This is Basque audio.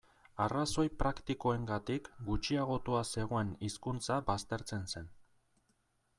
Arrazoi praktikoengatik gutxiagotua zegoen hizkuntza baztertzen zen.